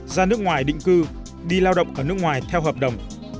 ra nước ngoài định cư đi lao động ở nước ngoài theo hợp đồng